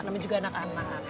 namanya juga anak anak